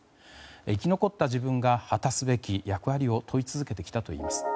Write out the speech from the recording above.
生き残った自分が果たすべき役割を問い続けてきたといいます。